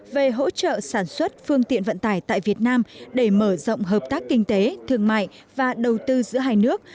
về hỗ trợ sản xuất phương tiện vận tải tại việt nam để mở rộng hợp tác kinh tế thương mại và đầu tư giữa hai nước